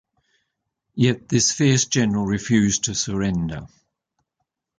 Yet this fierce general refused to surrender.